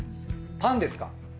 パンですか？